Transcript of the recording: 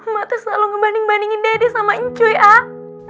mata selalu ngebanding bandingin dede sama encuy ah